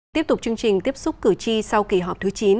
tiếp tục chương trình tiếp xúc cử tri sau kỳ họp thứ chín